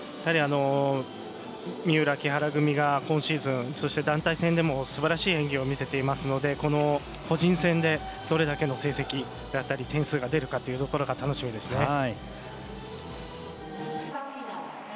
三浦、木原組が今シーズンそして団体戦でもすばらしい演技を見せていますのでこの個人戦でどれだけの成績だったり点数が出るか楽しみですね。